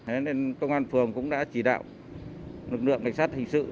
thế nên công an phường cũng đã chỉ đạo lực lượng cảnh sát hình sự